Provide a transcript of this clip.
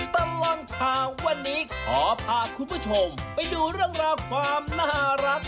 ตลอดข่าววันนี้ขอพาคุณผู้ชมไปดูเรื่องราวความน่ารัก